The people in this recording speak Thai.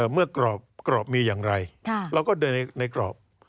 เมื่อกรอบมีอย่างไรเราก็เดินในกรอบ